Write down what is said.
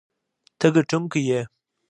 ته ګټونکی یې.